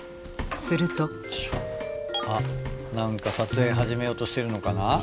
するとあっ何か撮影始めようとしてるのかな。